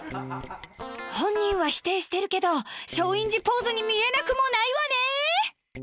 本人は否定してるけど松陰寺ポーズに見えなくもないわね！